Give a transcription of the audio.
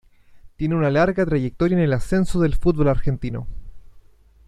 Tiene una larga trayectoria en el ascenso del fútbol argentino.